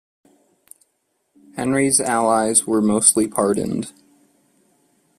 Henry's allies were mostly pardoned.